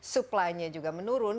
supply nya juga menurun